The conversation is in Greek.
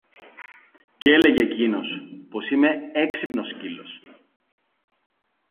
Κι έλεγε κείνος πως είμαι ξυπνός σκύλος.